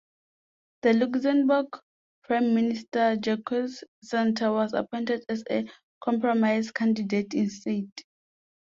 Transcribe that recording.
The Luxembourg Prime Minister Jacques Santer was appointed as a compromise candidate instead.